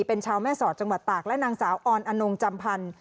เป็นชาวแม่สอดจังหวัดตากและนางสาวออนอนงจำพันธ์